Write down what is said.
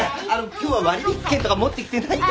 今日は割引券とか持ってきてないから。